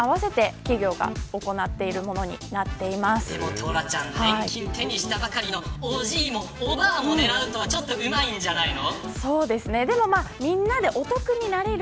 トラちゃん年金手にしたばかりのおじいとおばあも合うとはうまいんじゃないの。